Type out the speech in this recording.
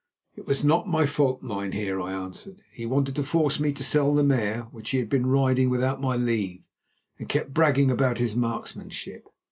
"It was not my fault, mynheer," I answered. "He wanted to force me to sell the mare, which he had been riding without my leave, and kept bragging about his marksmanship.